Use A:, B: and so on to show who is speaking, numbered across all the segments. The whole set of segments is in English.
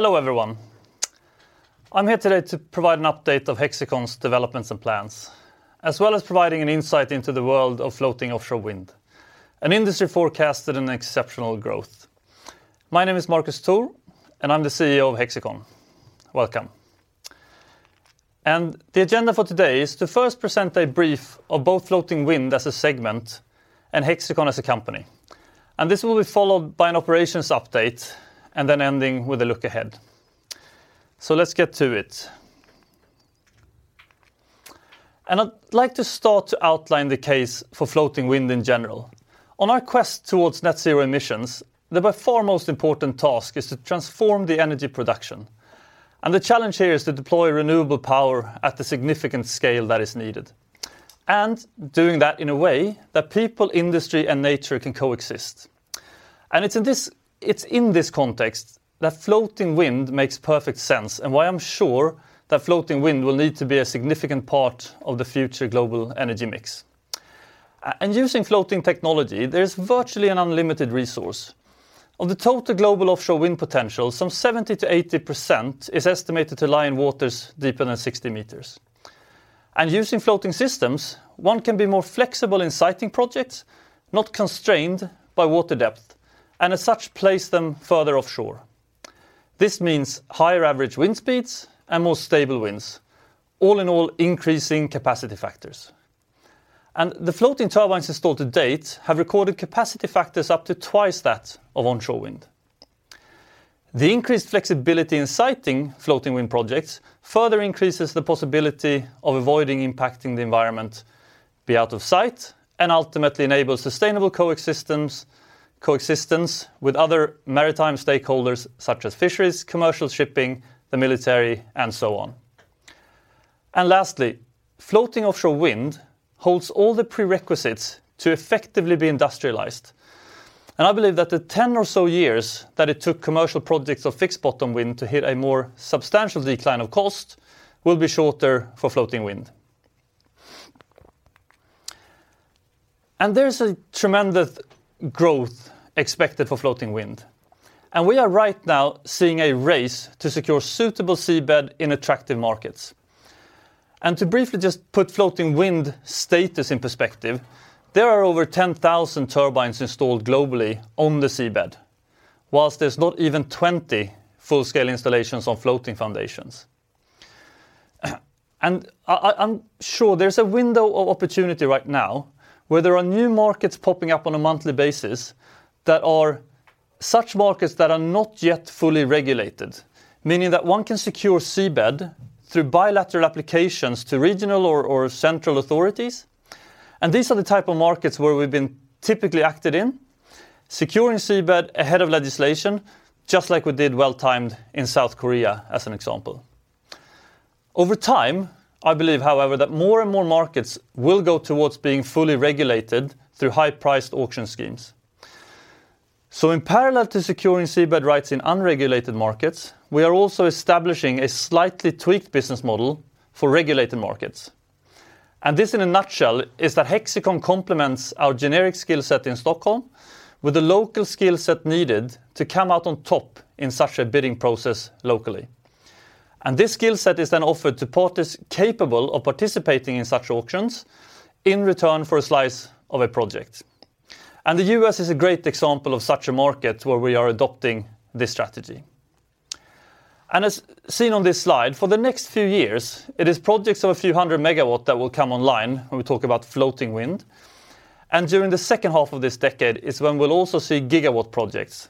A: Hello everyone. I'm here today to provide an update of Hexicon's developments and plans, as well as providing an insight into the world of floating offshore wind, an industry forecasted in exceptional growth. My name is Marcus Thor, and I'm the CEO of Hexicon. Welcome. The agenda for today is to first present a brief of both floating wind as a segment and Hexicon as a company. This will be followed by an operations update and then ending with a look ahead. Let's get to it. I'd like to start to outline the case for floating wind in general. On our quest towards net zero emissions, the by far most important task is to transform the energy production. The challenge here is to deploy renewable power at the significant scale that is needed, and doing that in a way that people, industry, and nature can coexist. It's in this context that floating wind makes perfect sense and why I'm sure that floating wind will need to be a significant part of the future global energy mix. Using floating technology, there's virtually an unlimited resource. Of the total global offshore wind potential, some 70%-80% is estimated to lie in waters deeper than 60 meters. Using floating systems, one can be more flexible in siting projects, not constrained by water depth, and as such, place them further offshore. This means higher average wind speeds and more stable winds, all in all, increasing capacity factors. The floating turbines installed to date have recorded capacity factors up to twice that of onshore wind. The increased flexibility in siting floating wind projects further increases the possibility of avoiding impacting the environment, being out of sight, and ultimately enabling sustainable coexistence with other maritime stakeholders such as fisheries, commercial shipping, the military, and so on. Lastly, floating offshore wind holds all the prerequisites to effectively be industrialized. I believe that the 10 or so years that it took commercial projects of fixed-bottom wind to hit a more substantial decline of cost will be shorter for floating wind. There's a tremendous growth expected for floating wind, and we are right now seeing a race to secure suitable seabed in attractive markets. To briefly just put floating wind status in perspective, there are over 10,000 turbines installed globally on the seabed, while there's not even 20 full-scale installations on floating foundations. I'm sure there's a window of opportunity right now where there are new markets popping up on a monthly basis that are such markets that are not yet fully regulated, meaning that one can secure seabed through bilateral applications to regional or central authorities. These are the type of markets where we've been typically active in, securing seabed ahead of legislation, just like we did well-timed in South Korea, as an example. Over time, I believe, however, that more and more markets will go towards being fully regulated through high-priced auction schemes. In parallel to securing seabed rights in unregulated markets, we are also establishing a slightly tweaked business model for regulated markets. This, in a nutshell, is that Hexicon complements our generic skill set in Stockholm with the local skill set needed to come out on top in such a bidding process locally. This skill set is then offered to parties capable of participating in such auctions in return for a slice of a project. The U.S. is a great example of such a market where we are adopting this strategy. As seen on this slide, for the next few years, it is projects of a few hundred megawatt that will come online when we talk about floating wind. During the H2 of this decade is when we'll also see gigawatt projects.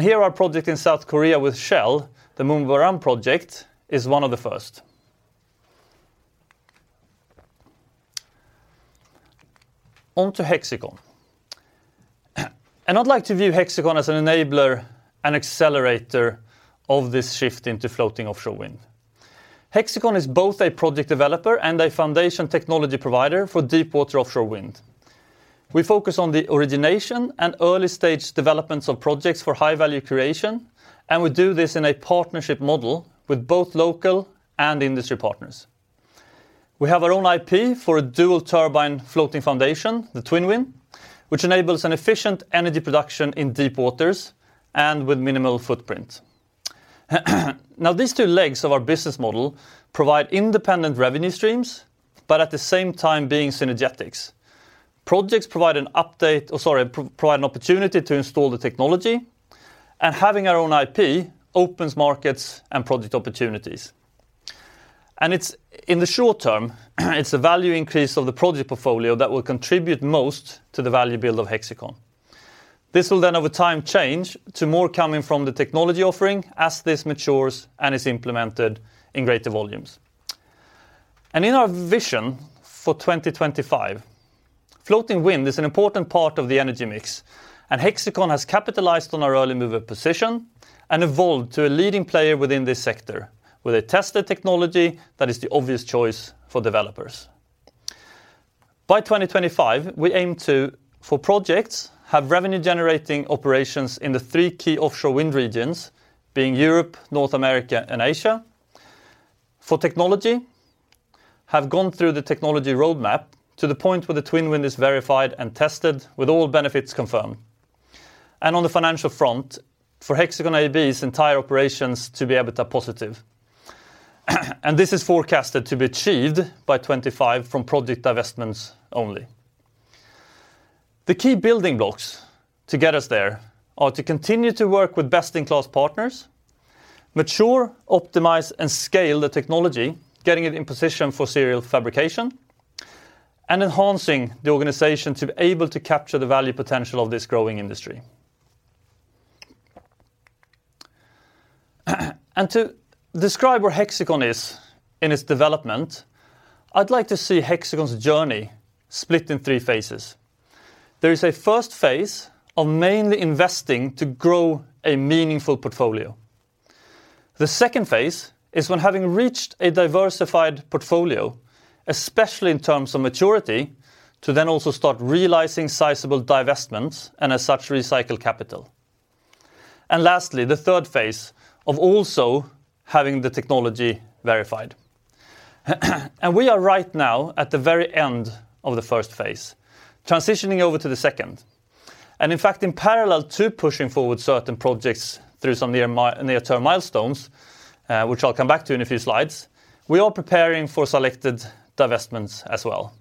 A: Here, our project in South Korea with Shell, the MunmuBaram project, is one of the first. On to Hexicon. I'd like to view Hexicon as an enabler and accelerator of this shift into floating offshore wind. Hexicon is both a project developer and a foundation technology provider for deep water offshore wind. We focus on the origination and early stage developments of projects for high value creation, and we do this in a partnership model with both local and industry partners. We have our own IP for a dual turbine floating foundation, the TwinWind, which enables an efficient energy production in deep waters and with minimal footprint. Now, these two legs of our business model provide independent revenue streams, but at the same time being synergistic. Projects provide an opportunity to install the technology, and having our own IP opens markets and project opportunities. It's, in the short term, it's a value increase of the project portfolio that will contribute most to the value build of Hexicon. This will then over time change to more coming from the technology offering as this matures and is implemented in greater volumes. In our vision for 2025, floating wind is an important part of the energy mix, and Hexicon has capitalized on our early mover position and evolved to a leading player within this sector with a tested technology that is the obvious choice for developers. By 2025, we aim to, for projects, have revenue generating operations in the three key offshore wind regions being Europe, North America, and Asia. For technology, have gone through the technology roadmap to the point where the TwinWind is verified and tested with all benefits confirmed. On the financial front, for Hexicon's entire operations to be EBITDA positive. This is forecasted to be achieved by 2025 from project divestments only. The key building blocks to get us there are to continue to work with best-in-class partners, mature, optimize, and scale the technology, getting it in position for serial fabrication, and enhancing the organization to be able to capture the value potential of this growing industry. To describe where Hexicon is in its development, I'd like to see Hexicon's journey split in three phases. There is a first phase of mainly investing to grow a meaningful portfolio. The second phase is when having reached a diversified portfolio, especially in terms of maturity, to then also start realizing sizable divestments and as such, recycle capital. Lastly, the third phase of also having the technology verified. We are right now at the very end of the first phase, transitioning over to the second. In fact, in parallel to pushing forward certain projects through some near-term milestones, which I'll come back to in a few slides, we are preparing for selected divestments as well.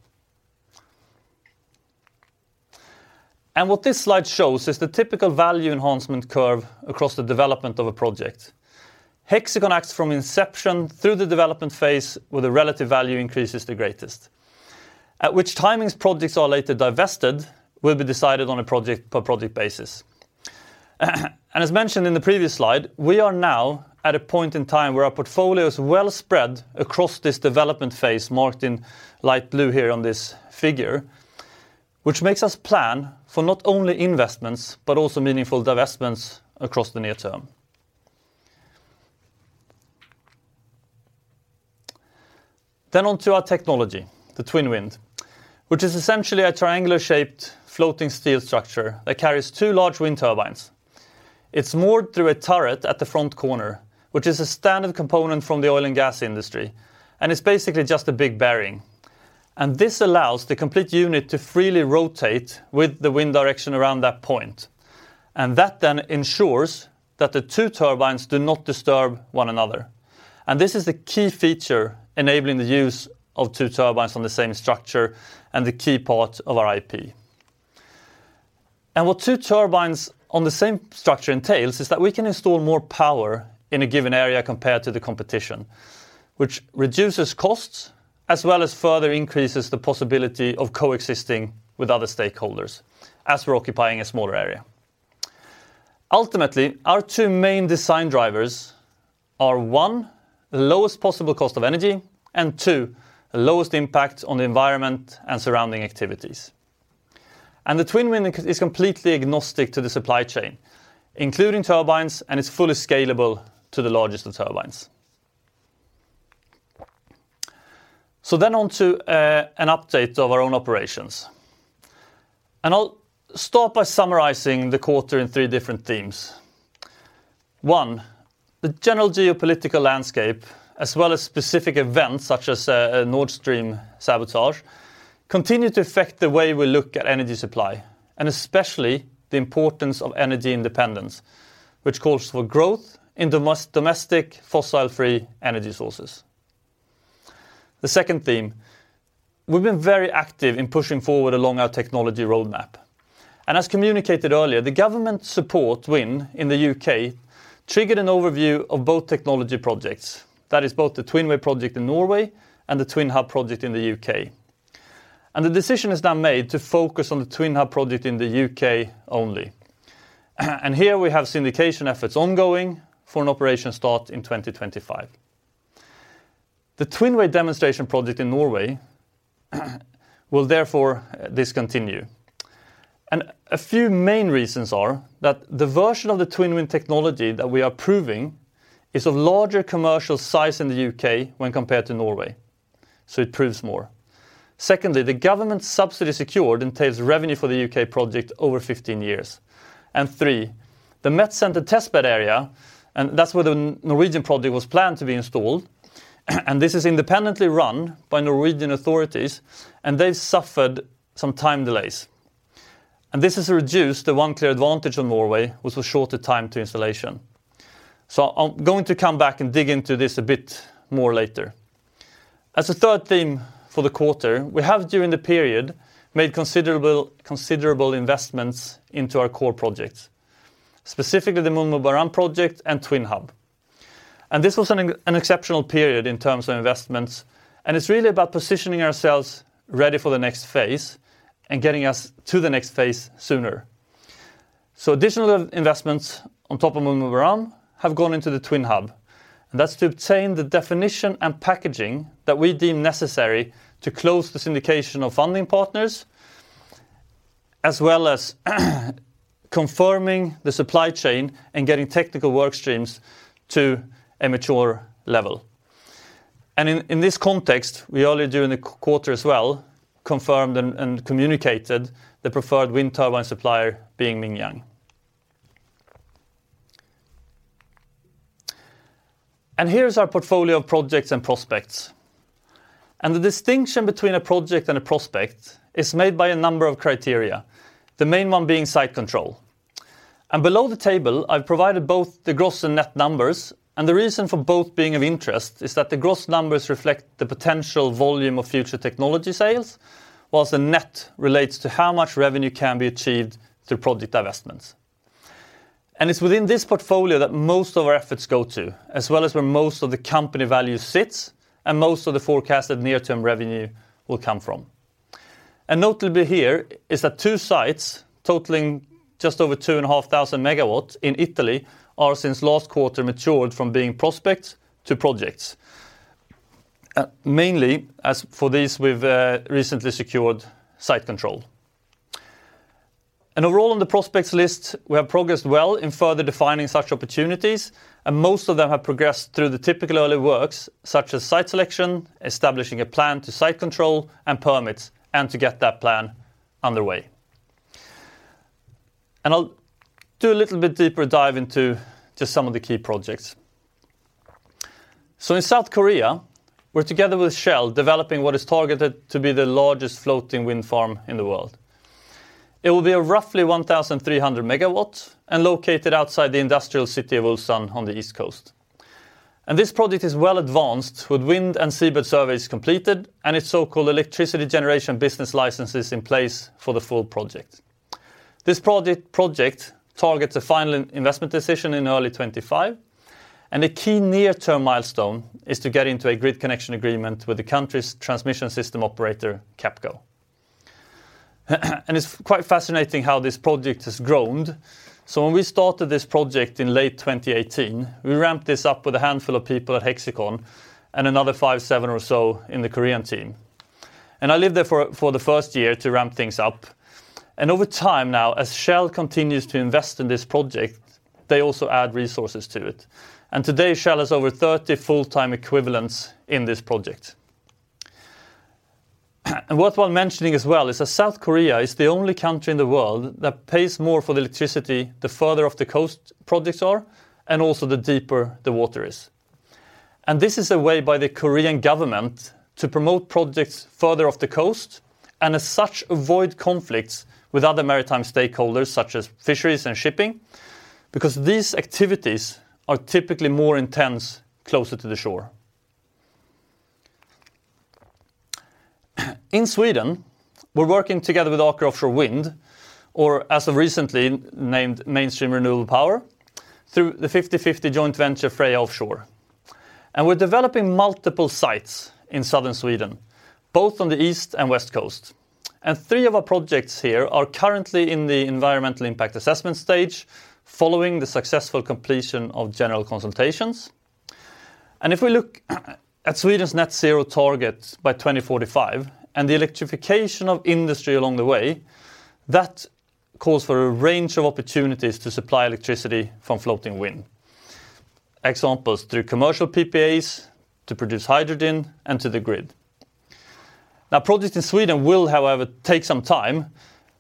A: What this slide shows is the typical value enhancement curve across the development of a project. Hexicon acts from inception through the development phase where the relative value increase is the greatest. At which timings projects are later divested will be decided on a project-per-project basis. As mentioned in the previous slide, we are now at a point in time where our portfolio is well spread across this development phase marked in light blue here on this figure, which makes us plan for not only investments, but also meaningful divestments across the near term. On to our technology, the TwinWind, which is essentially a triangular-shaped floating steel structure that carries two large wind turbines. It's moored through a turret at the front corner, which is a standard component from the oil and gas industry, and it's basically just a big bearing. This allows the complete unit to freely rotate with the wind direction around that point. That then ensures that the two turbines do not disturb one another. This is a key feature enabling the use of two turbines on the same structure and the key part of our IP. What two turbines on the same structure entails is that we can install more power in a given area compared to the competition, which reduces costs as well as further increases the possibility of coexisting with other stakeholders as we're occupying a smaller area. Ultimately, our two main design drivers are, one, the lowest possible cost of energy, and two, the lowest impact on the environment and surrounding activities. The TwinWind is completely agnostic to the supply chain, including turbines, and it's fully scalable to the largest of turbines. On to an update of our own operations. I'll start by summarizing the quarter in three different themes. One, the general geopolitical landscape, as well as specific events such as Nord Stream sabotage, continue to affect the way we look at energy supply, and especially the importance of energy independence, which calls for growth in domestic fossil-free energy sources. The second theme, we've been very active in pushing forward along our technology roadmap. As communicated earlier, the government support win in the U.K. triggered an overview of both technology projects. That is both the TwinWay project in Norway and the TwinHub project in the U.K. The decision is now made to focus on the TwinHub project in the U.K. only. Here we have syndication efforts ongoing for an operation start in 2025. The TwinWay demonstration project in Norway will therefore discontinue. A few main reasons are that the version of the TwinWind technology that we are proving is of larger commercial size in the U.K. when compared to Norway, so it proves more. Secondly, the government subsidy secured entails revenue for the U.K. project over 15 years. Three, the METCentre test bed area, and that's where the Norwegian project was planned to be installed, and this is independently run by Norwegian authorities, and they've suffered some time delays. This has reduced the one clear advantage of Norway was for shorter time to installation. I'm going to come back and dig into this a bit more later. As a third theme for the quarter, we have during the period, made considerable investments into our core projects, specifically the MunmuBaram project and TwinHub. This was an exceptional period in terms of investments, and it's really about positioning ourselves ready for the next phase and getting us to the next phase sooner. Additional investments on top of MunmuBaram have gone into the TwinHub. That's to obtain the definition and packaging that we deem necessary to close the syndication of funding partners, as well as confirming the supply chain and getting technical work streams to a mature level. In this context, we already during the quarter as well, confirmed and communicated the preferred wind turbine supplier being Mingyang. Here's our portfolio of projects and prospects. The distinction between a project and a prospect is made by a number of criteria, the main one being site control. Below the table, I've provided both the gross and net numbers, and the reason for both being of interest is that the gross numbers reflect the potential volume of future technology sales, while the net relates to how much revenue can be achieved through project divestments. It's within this portfolio that most of our efforts go to, as well as where most of the company value sits and most of the forecasted near-term revenue will come from. Notably here is that two sites totaling just over 2,500 megawatts in Italy are since last quarter matured from being prospects to projects. Mainly as for these we've recently secured site control. Overall in the prospects list, we have progressed well in further defining such opportunities, and most of them have progressed through the typical early works, such as site selection, establishing a plan to site control, and permits, and to get that plan underway. I'll do a little bit deeper dive into just some of the key projects. In South Korea, we're together with Shell developing what is targeted to be the largest floating wind farm in the world. It will be roughly 1,300 megawatts and located outside the industrial city of Ulsan on the East Coast. This project is well advanced with wind and seabed surveys completed and its so-called electricity generation business licenses in place for the full project. This project targets a final investment decision in early 2025, and a key near-term milestone is to get into a grid connection agreement with the country's transmission system operator, KEPCO. It's quite fascinating how this project has grown. When we started this project in late 2018, we ramped this up with a handful of people at Hexicon and another five, seven or so in the Korean team. I lived there for the first year to ramp things up. Over time now, as Shell continues to invest in this project, they also add resources to it. Today, Shell has over 30 full-time equivalents in this project. Worthwhile mentioning as well is that South Korea is the only country in the world that pays more for electricity the further off the coast projects are and also the deeper the water is. This is a way by the Korean government to promote projects further off the coast and as such, avoid conflicts with other maritime stakeholders such as fisheries and shipping, because these activities are typically more intense closer to the shore. In Sweden, we're working together with Aker Offshore Wind, or as of recently named Mainstream Renewable Power, through the 50/50 joint venture Freja Offshore. We're developing multiple sites in Southern Sweden, both on the east and west coast. Three of our projects here are currently in the Environmental Impact Assessment stage following the successful completion of general consultations. If we look at Sweden's net zero target by 2045 and the electrification of industry along the way, that calls for a range of opportunities to supply electricity from floating wind. Examples through commercial PPAs to produce hydrogen and to the grid. Now, projects in Sweden will, however, take some time,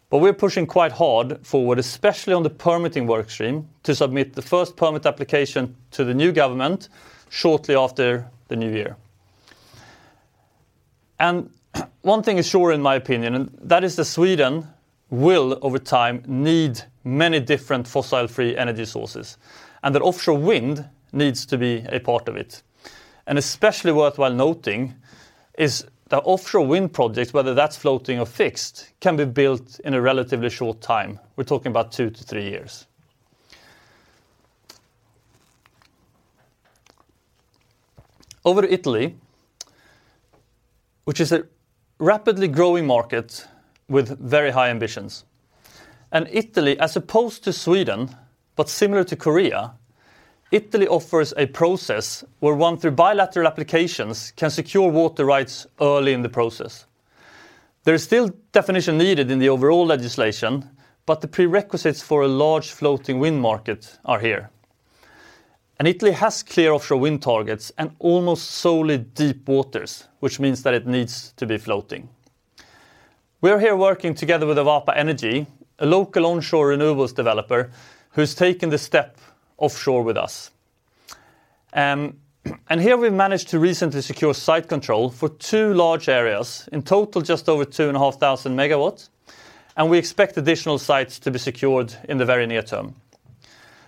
A: but we're pushing quite hard forward, especially on the permitting work stream to submit the first permit application to the new government shortly after the new year. One thing is sure, in my opinion, and that is that Sweden will, over time, need many different fossil free energy sources, and that offshore wind needs to be a part of it. Especially worth noting is that offshore wind projects, whether that's floating or fixed, can be built in a relatively short time. We're talking about two to three years. Over to Italy, which is a rapidly growing market with very high ambitions. Italy, as opposed to Sweden, but similar to Korea, Italy offers a process where one, through bilateral applications, can secure water rights early in the process. There is still definition needed in the overall legislation, but the prerequisites for a large floating wind market are here. Italy has clear offshore wind targets and almost solely deep waters, which means that it needs to be floating. We are here working together with Avapa Energy, a local onshore renewables developer who's taken the step offshore with us. Here we've managed to recently secure site control for two large areas, in total, just over 2,500 megawatts, and we expect additional sites to be secured in the very near term.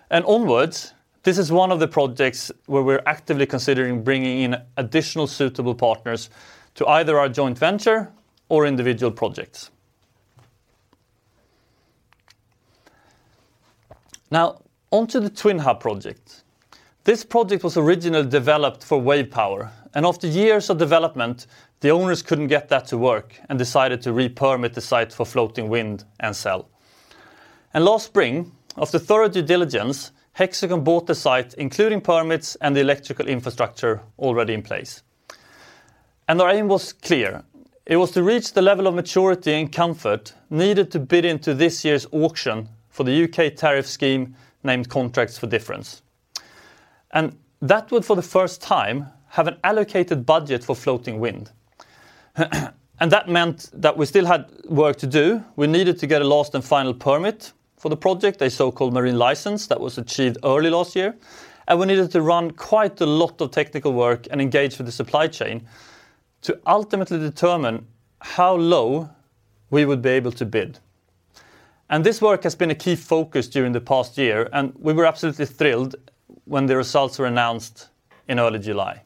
A: Onwards, this is one of the projects where we're actively considering bringing in additional suitable partners to either our joint venture or individual projects. Now onto the TwinHub project. This project was originally developed for wave power, and after years of development, the owners couldn't get that to work and decided to re-permit the site for floating wind and sell. Last spring, after thorough due diligence, Hexicon bought the site, including permits and the electrical infrastructure already in place. Our aim was clear. It was to reach the level of maturity and comfort needed to bid into this year's auction for the U.K. tariff scheme named Contracts for Difference. That would, for the first time, have an allocated budget for floating wind. That meant that we still had work to do. We needed to get a last and final permit for the project, a so-called marine license that was achieved early last year. We needed to run quite a lot of technical work and engage with the supply chain to ultimately determine how low we would be able to bid. This work has been a key focus during the past year, and we were absolutely thrilled when the results were announced in early July.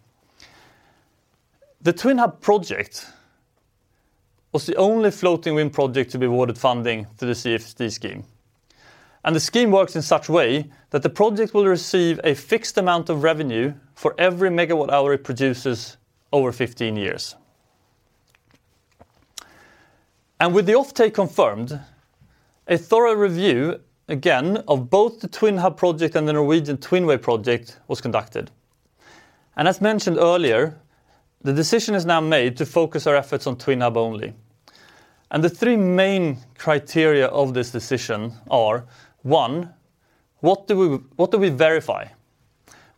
A: The TwinHub project was the only floating wind project to be awarded funding through the CFD scheme. The scheme works in such a way that the project will receive a fixed amount of revenue for every megawatt hour it produces over 15 years. With the offtake confirmed, a thorough review, again, of both the TwinHub project and the Norwegian TwinWay project was conducted. As mentioned earlier, the decision is now made to focus our efforts on TwinHub only. The three main criteria of this decision are, one, what do we verify?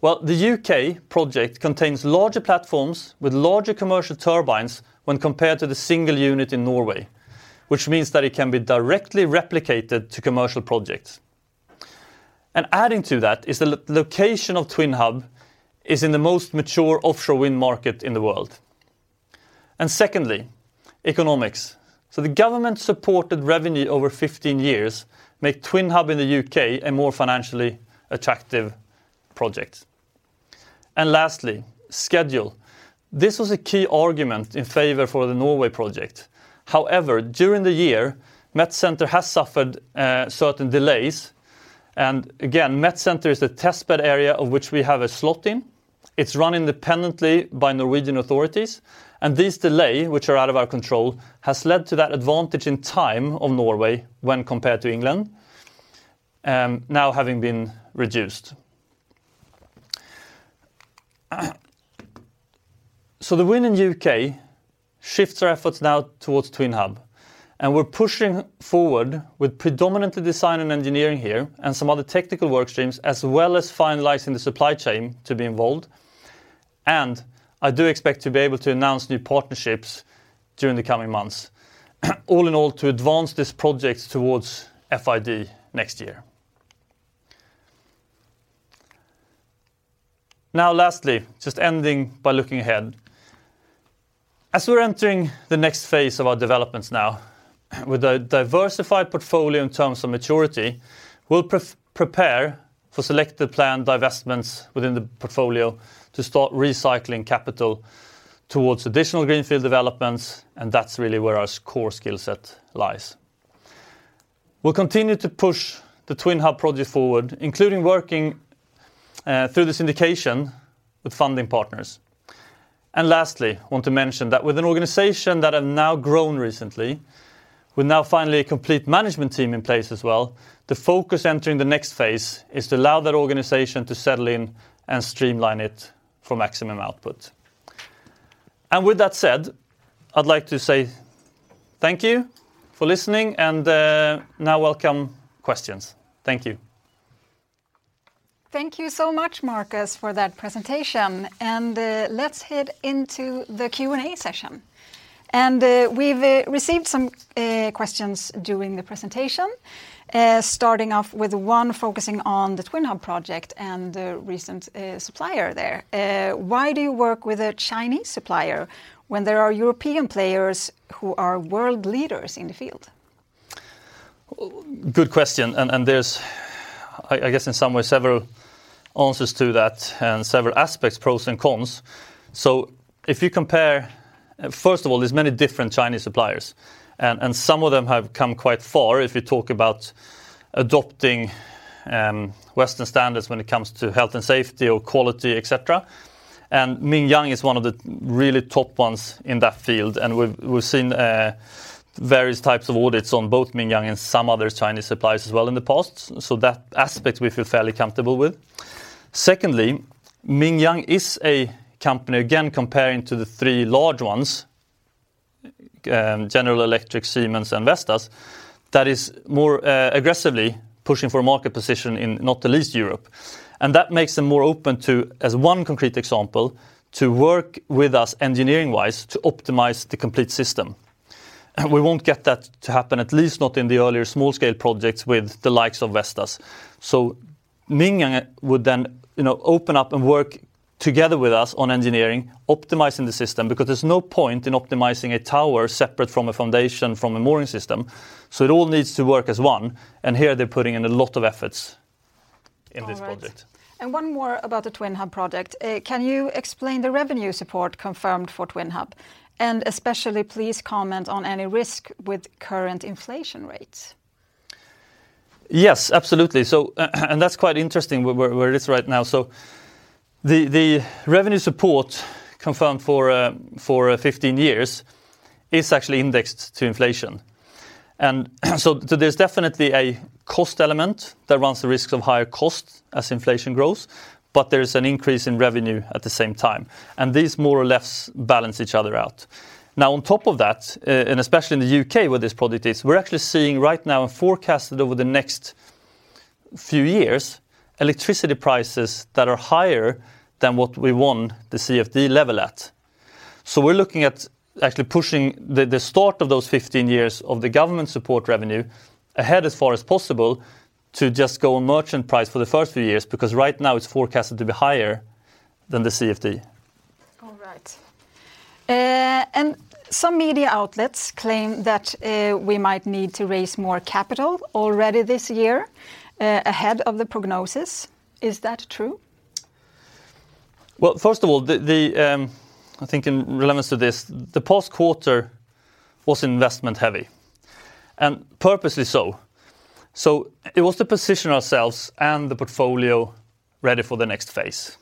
A: Well, the UK project contains larger platforms with larger commercial turbines when compared to the single unit in Norway, which means that it can be directly replicated to commercial projects. Adding to that is the location of TwinHub in the most mature offshore wind market in the world. Secondly, economics. The government-supported revenue over 15 years makes TwinHub in the U.K. a more financially attractive project. Lastly, schedule. This was a key argument in favor for the Norway project. However, during the year, METCentre has suffered certain delays and, again, METCentre is a test bed area of which we have a slot in. It's run independently by Norwegian authorities, and this delay, which is out of our control, has led to that advantage in time of Norway when compared to England now having been reduced. The wind in U.K. shifts our efforts now towards TwinHub, and we're pushing forward with predominantly design and engineering here, and some other technical work streams, as well as finalizing the supply chain to be involved. I do expect to be able to announce new partnerships during the coming months, all in all, to advance this project towards FID next year. Now lastly, just ending by looking ahead. As we're entering the next phase of our developments now, with a diversified portfolio in terms of maturity, we'll prepare for selected planned divestments within the portfolio to start recycling capital towards additional greenfield developments, and that's really where our core skillset lies. We'll continue to push the TwinHub project forward, including working through this indication with funding partners. Lastly, want to mention that with an organization that have now grown recently, we now finally complete management team in place as well, the focus entering the next phase is to allow that organization to settle in and streamline it for maximum output. With that said, I'd like to say thank you for listening and now welcome questions. Thank you.
B: Thank you so much, Marcus, for that presentation. Let's head into the Q&A session. We've received some questions during the presentation. Starting off with one focusing on the TwinHub project and the recent supplier there. Why do you work with a Chinese supplier when there are European players who are world leaders in the field?
A: Good question. There's I guess in some way several answers to that, and several aspects, pros and cons. If you compare. First of all, there's many different Chinese suppliers and some of them have come quite far if you talk about adopting Western standards when it comes to health and safety or quality, et cetera. Mingyang is one of the really top ones in that field, and we've seen various types of audits on both Mingyang and some other Chinese suppliers as well in the past, so that aspect we feel fairly comfortable with. Secondly, Mingyang is a company, again, comparing to the three large ones, General Electric, Siemens, and Vestas, that is more aggressively pushing for a market position in not the least Europe. That makes them more open to, as one concrete example, to work with us engineering-wise to optimize the complete system. We won't get that to happen, at least not in the earlier small-scale projects, with the likes of Vestas. Mingyang would then, you know, open up and work together with us on engineering, optimizing the system, because there's no point in optimizing a tower separate from a foundation from a mooring system, so it all needs to work as one, and here they're putting in a lot of efforts in this project.
B: All right. One more about the TwinHub project. Can you explain the revenue support confirmed for TwinHub, and especially please comment on any risk with current inflation rates?
A: Yes, absolutely. That's quite interesting where it is right now. The revenue support confirmed for 15 years is actually indexed to inflation. There's definitely a cost element that runs the risk of higher cost as inflation grows, but there's an increase in revenue at the same time, and these more or less balance each other out. Now, on top of that, and especially in the U.K. where this project is, we're actually seeing right now and forecasted over the next few years, electricity prices that are higher than what we want the CFD level at. We're looking at actually pushing the start of those 15 years of the government support revenue ahead as far as possible to just go merchant price for the first few years, because right now it's forecasted to be higher than the CFD.
B: All right. Some media outlets claim that we might need to raise more capital already this year, ahead of the prognosis. Is that true?
A: Well, first of all, I think in relation to this, the past quarter was investment heavy, and purposely so. It was to position ourselves and the portfolio ready for the next phase.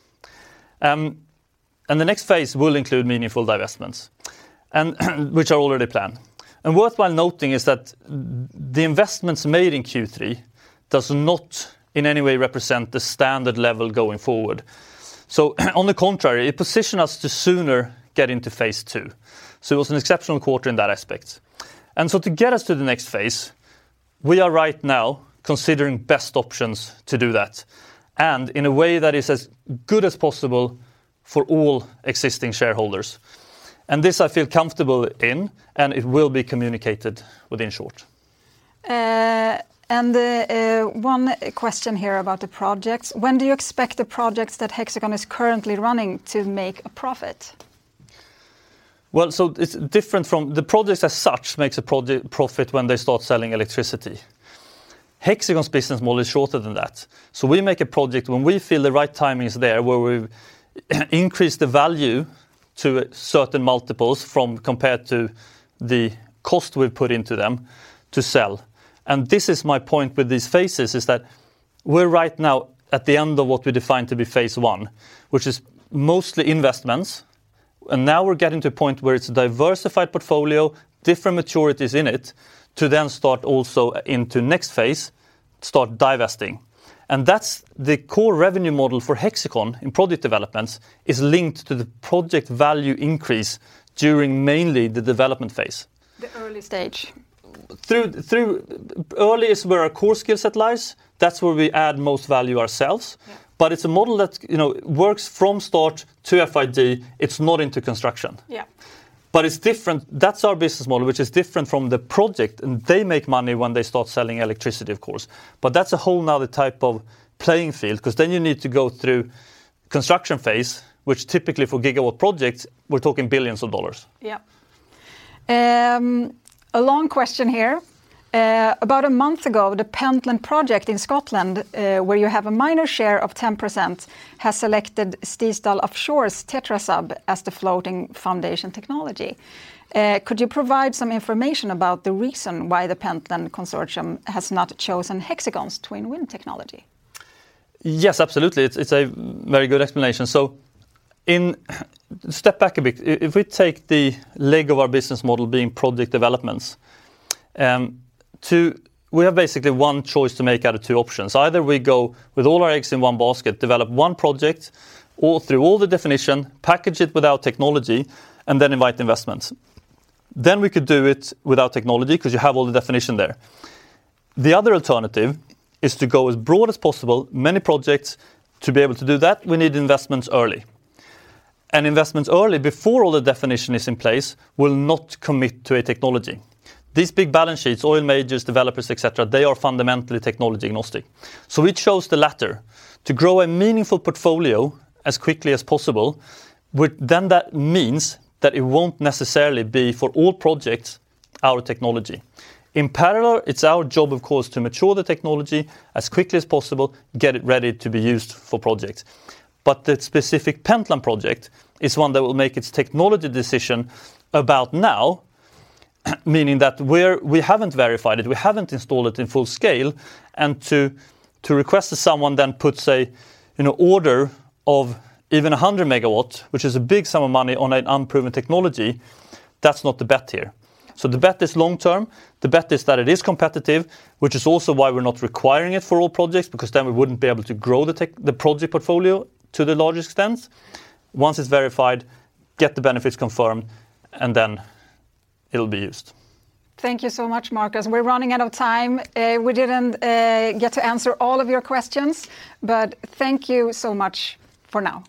A: The next phase will include meaningful divestments, which are already planned. Worth noting is that the investments made in Q3 does not in any way represent the standard level going forward. On the contrary, it position us to sooner get into phase II, so it was an exceptional quarter in that aspect. To get us to the next phase, we are right now considering best options to do that, and in a way that is as good as possible for all existing shareholders. This I feel comfortable in, and it will be communicated shortly.
B: One question here about the projects. When do you expect the projects that Hexicon is currently running to make a profit?
A: Well, it's different from. The projects as such makes a profit when they start selling electricity. Hexicon's business model is shorter than that. We make a project when we feel the right timing is there, where we've increased the value to certain multiples from compared to the cost we've put into them to sell. This is my point with these phases, is that we're right now at the end of what we define to be phase I, which is mostly investments, and now we're getting to a point where it's a diversified portfolio, different maturities in it, to then start also into next phase, start divesting. That's the core revenue model for Hexicon in project developments is linked to the project value increase during mainly the development phase.
B: The early stage.
A: Early is where our core skill set lies. That's where we add most value ourselves.
B: Yeah.
A: It's a model that, you know, works from start to FID. It's not into construction.
B: Yeah.
A: It's different. That's our business model, which is different from the project, and they make money when they start selling electricity, of course. That's a whole nother type of playing field, because then you need to go through construction phase, which typically for gigawatt projects, we're talking $ billions.
B: Yeah. A long question here. About a month ago, the Pentland Project in Scotland, where you have a minor share of 10%, has selected Stiesdal Offshore's TetraSub as the floating foundation technology. Could you provide some information about the reason why the Pentland consortium has not chosen Hexicon's TwinWind technology?
A: Yes, absolutely. It's a very good explanation. Step back a bit. If we take the leg of our business model being project developments, we have basically one choice to make out of two options. Either we go with all our eggs in one basket, develop one project all through all the definition, package it with our technology, and then invite investments. We could do it with our technology, because you have all the definition there. The other alternative is to go as broad as possible, many projects. To be able to do that, we need investments early. Investments early before all the definition is in place will not commit to a technology. These big balance sheets, oil majors, developers, et cetera, they are fundamentally technology agnostic. We chose the latter. To grow a meaningful portfolio as quickly as possible, what then that means that it won't necessarily be for all projects our technology. In parallel, it's our job, of course, to mature the technology as quickly as possible, get it ready to be used for projects. The specific Pentland Project is one that will make its technology decision about now, meaning that we haven't verified it, we haven't installed it in full scale, and to request that someone then puts a, you know, order of even 100 megawatt, which is a big sum of money on an unproven technology, that's not the bet here. The bet is long-term. The bet is that it is competitive, which is also why we're not requiring it for all projects, because then we wouldn't be able to grow the project portfolio to the large extent. Once it's verified, get the benefits confirmed, and then it'll be used.
B: Thank you so much, Marcus. We're running out of time. We didn't get to answer all of your questions, but thank you so much for now.